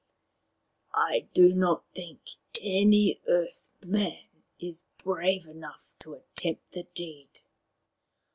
I do not think any Earth man is brave enough to attempt the deed."